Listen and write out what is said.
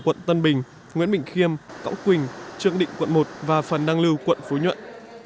quận tân bình nguyễn bình khiêm cõng quỳnh trương định quận một và phần đăng lưu quận phú nhuận